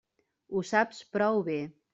Ho saps prou bé.